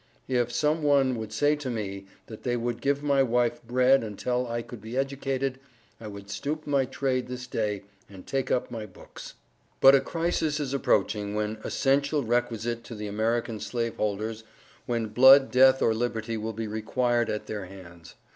If some one would say to me, that they would give my wife bread untel I could be Educated I would stoop my trade this day and take up my books. But a crisis is approaching when assential requisite to the American Slaveholders when blood Death or Liberty will be required at their hands.